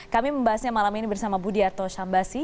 kami membahasnya malam ini bersama budi arto syambasi